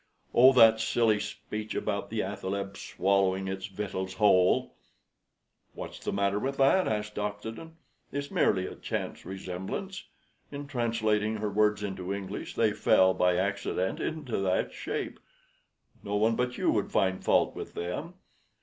"Oh, that silly speech about the athaleb swallowing its victuals whole." "What's the matter with that?" asked Oxenden. "It's merely a chance resemblance. In translating her words into English they fell by accident into that shape. No one but you would find fault with them.